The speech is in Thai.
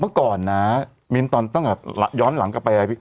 เมื่อก่อนนะมิ้นตอนตั้งแต่ย้อนหลังกลับไป